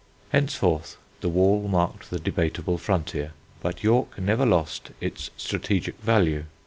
Henceforth the wall marked the debatable frontier, but York never lost its strategic value.